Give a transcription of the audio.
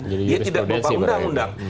jadi tidak bapak undang undang